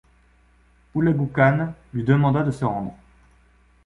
Houlagou Khan lui demanda de se rendre.